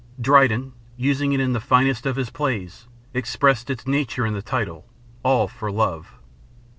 Dryden, using it in the finest of his plays, expressed its nature in the title "All for Love."